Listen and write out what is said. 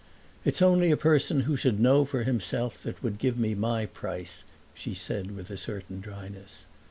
"It's only a person who should know for himself that would give me my price," she said with a certain dryness.